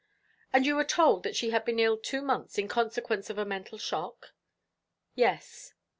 "And you were told that she had been ill two months in consequence of a mental shock?" "Yes."